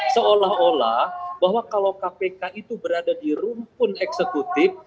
seolah olah bahwa kalau kpk itu berada di rumpun eksekutif